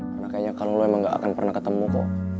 karena kayaknya kalo lo emang gak akan pernah ketemu kok